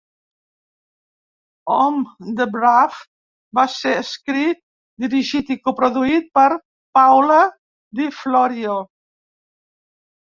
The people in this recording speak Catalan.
"Home of the Brave" va ser escrit, dirigit i coproduït per Paola di Florio.